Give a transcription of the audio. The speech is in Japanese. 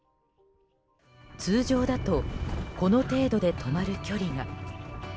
通常だとこの程度で止まる距離が。